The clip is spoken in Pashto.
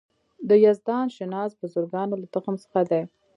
د یزدان شناس بزرګانو له تخم څخه دی.